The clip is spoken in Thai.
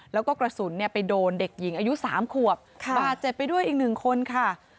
แล้วก็กระสุนไปโดนเด็กหญิงอายุ๓ขวบบาดเจ็บไปด้วยอีกหนึ่งคนค่ะ